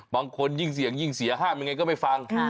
บางคนยิ่งเสี่ยงยิ่งเสียห้ามยังไงก็ไม่ฟัง